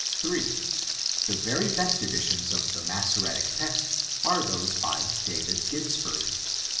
(3) The very best editions of the Massoretic text are those by David Ginsburg.